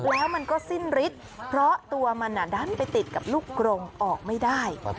แล้วมันก็สิ้นฤทธิ์เพราะตัวมันดันไปติดกับลูกกรงออกไม่ได้